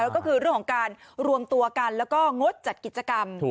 ก็คือเรื่องของการรวมตัวกันแล้วก็งดจัดกิจกรรม